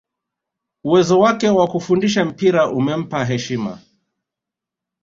uwezo wake wa kufundisha mpira umempa heshima